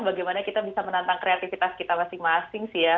bagaimana kita bisa menantang kreativitas kita masing masing sih ya